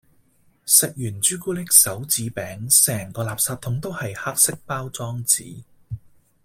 食完朱古力手指餅，成個垃圾桶都係黑色包裝紙